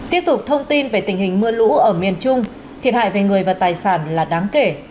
tiếp tục thông tin về tình hình mưa lũ ở miền trung thiệt hại về người và tài sản là đáng kể